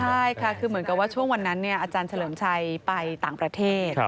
ใช่ค่ะคือเหมือนกับว่าช่วงวันนั้นอาจารย์เฉลิมชัยไปต่างประเทศ